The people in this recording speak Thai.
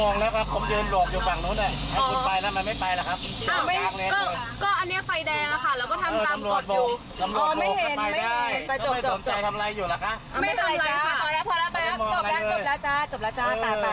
นั่งร้องกันอยู่กันไง